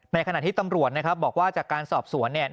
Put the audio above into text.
ขณะที่ตำรวจนะครับบอกว่าจากการสอบสวนเนี่ย